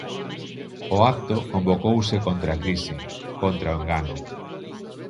O acto convocouse contra a crise, contra o engano.